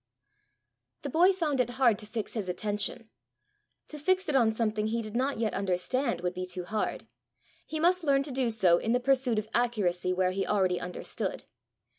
The boy found it hard to fix his attention: to fix it on something he did not yet understand, would be too hard! he must learn to do so in the pursuit of accuracy where he already understood!